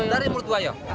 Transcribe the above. dari mulut buaya